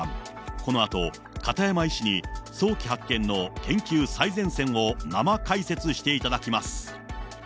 このあと、片山医師に早期発見の研究最前線を生解説していただきます。